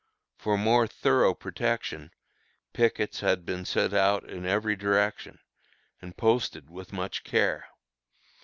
For more thorough protection, pickets had been sent out in every direction, and posted with much care.